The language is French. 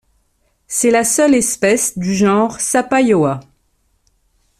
C'est la seule espèce du genre Sapayoa.